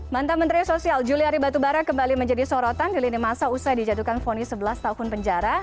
mantan menteri sosial juliari batubara kembali menjadi sorotan di lini masa usai dijatuhkan fonis sebelas tahun penjara